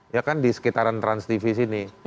ya kan di sekitaran transtv sini